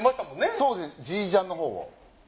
そうですねＧジャンのほうを。